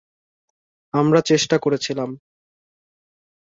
আমরা চেষ্টা করেছিলাম।